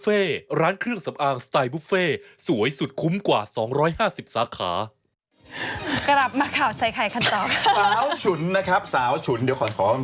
เอาคุณผู้ชมพักสักครู่เดี๋ยวช่วงหน้าพบกันนะค่ะ